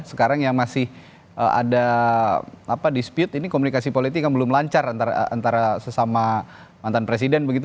sekarang yang masih ada dispute ini komunikasi politik yang belum lancar antara sesama mantan presiden begitu